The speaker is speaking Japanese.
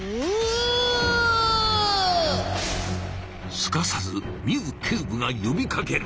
すかさずミウ警部がよびかける！